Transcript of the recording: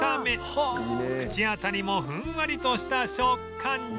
口当たりもふんわりとした食感に